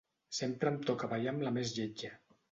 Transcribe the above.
Sempre em toca ballar amb la més lletja.